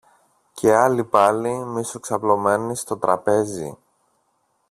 και άλλοι πάλι, μισοξαπλωμένοι στο τραπέζ